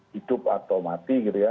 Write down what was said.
hidup atau mati gitu ya